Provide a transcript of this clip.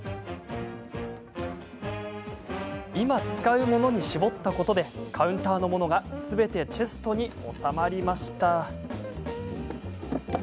今、使うものに絞ったことでカウンターのものがすべてチェストに収まりました。